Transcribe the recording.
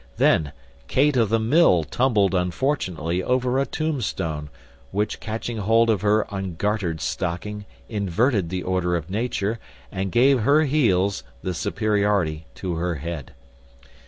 Then Kate of the Mill tumbled unfortunately over a tombstone, which catching hold of her ungartered stocking inverted the order of nature, and gave her heels the superiority to her head.